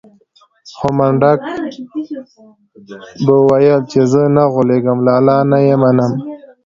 خو منډک به ويل چې زه نه غولېږم لالا نه يې منم.